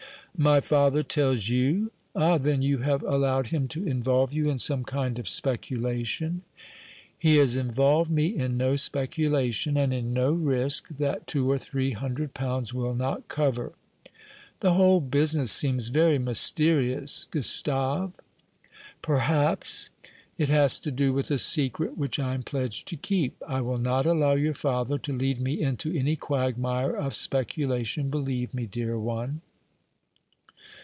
"My father tells you! Ah, then, you have allowed him to involve you in some kind of speculation!" "He has involved me in no speculation, and in no risk that two or three hundred pounds will not cover." "The whole business seems very mysterious, Gustave." "Perhaps; it has to do with a secret which I am pledged to keep. I will not allow your father to lead me into any quagmire of speculation, believe me, dear one."